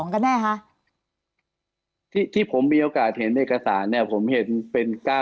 กันแน่คะที่ผมมีโอกาสเห็นเอกสารเนี่ยผมเห็นเป็น๙